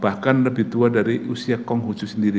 bahkan lebih tua dari usia konghucu sendiri